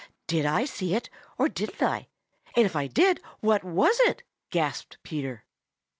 "Did I see it, or didn't I? And if I did, what was it?" gasped Peter.